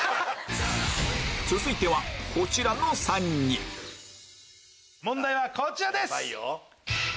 続いてはこちらの３人問題はこちらです。